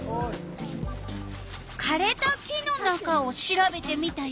かれた木の中を調べてみたよ。